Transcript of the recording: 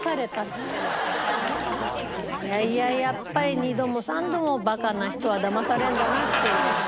いやいややっぱり２度も３度もバカな人はだまされるんだなっていう。